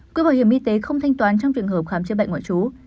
quỹ bảo hiểm y tế không thanh toán trong trường hợp khám chữa bệnh ngoại trú